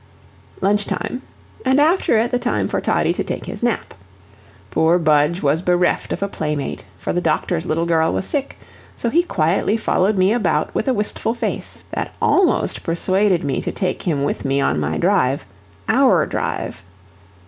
Lunch time, and after it the time for Toddie to take his nap. Poor Budge was bereft of a playmate, for the doctor's little girl was sick; so he quietly followed me about with a wistful face, that almost persuaded me to take him with me on my drive OUR drive.